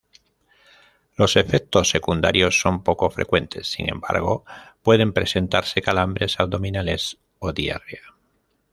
Los efectos secundarios son poco frecuentes, sin embargo, pueden presentarse calambres abdominales o diarrea.